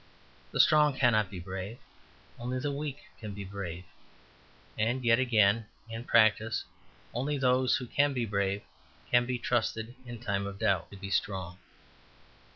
The strong cannot be brave. Only the weak can be brave; and yet again, in practice, only those who can be brave can be trusted, in time of doubt, to be strong.